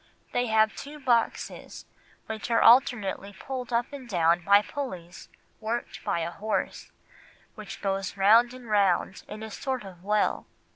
They have two boxes which are alternately pulled up and down by pullies worked by a horse, which goes round and round in a sort of well."